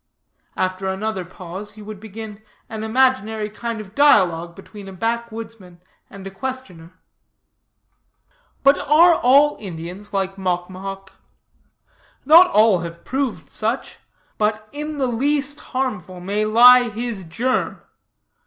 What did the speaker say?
"After another pause, he would begin an imaginary kind of dialogue between a backwoodsman and a questioner: "'But are all Indians like Mocmohoc? Not all have proved such; but in the least harmful may lie his germ.